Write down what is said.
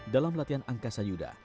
dalam latihan angkasa yuda